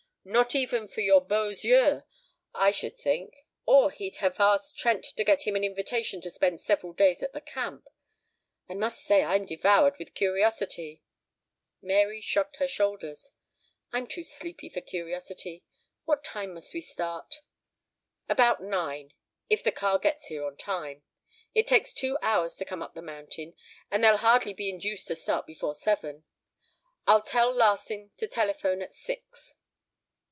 Not even for your beaux yeux, I should think, or he'd have asked Trent to get him an invitation to spend several days at the camp. I must say I'm devoured with curiosity " Mary shrugged her shoulders. "I'm too sleepy for curiosity. What time must we start?" "About nine, if the car gets here on time. It takes two hours to come up the mountain, and they'll hardly be induced to start before seven. I'll tell Larsing to telephone at six."